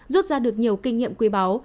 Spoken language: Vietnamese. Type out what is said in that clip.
rút ra được nhiều kinh nghiệm quý báo